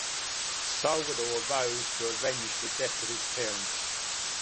Salvador vows to avenge the death of his parents.